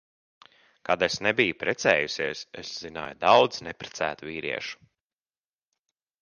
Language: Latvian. Kad es nebiju precējusies, es zināju daudz neprecētu vīriešu.